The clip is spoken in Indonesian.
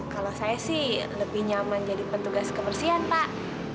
kalau saya sih lebih nyaman jadi petugas kebersihan pak